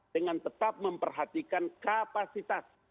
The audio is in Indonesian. dengan tetap memperhatikan kapasitas